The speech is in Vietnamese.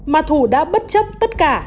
mà thủ đã bất chấp tất cả